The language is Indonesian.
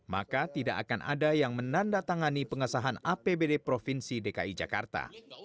maka tidak akan ada yang menanda tangani pengasahan apbd provinsi dki jakarta